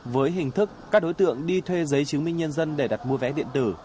với hình thức các đối tượng đi thuê giấy chứng minh nhân dân để đặt mua vé điện tử